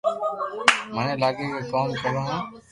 مني لاگي ڪي ڪوم ڪرو ھون